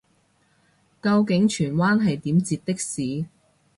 究竟荃灣係點截的士